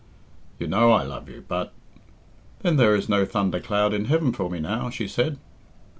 "You know I love you, but " "Then there is no thundercloud in heaven for me now," she said.